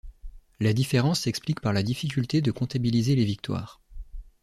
La différence s'explique par la difficulté de comptabiliser les victoires.